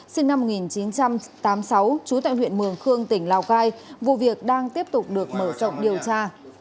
sinh năm một nghìn chín trăm tám mươi sáu trú tại huyện mường khương tỉnh lào cai vụ việc đang tiếp tục được mở rộng điều tra